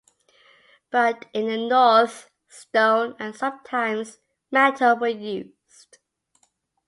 But in the north, stone and sometimes metal were used.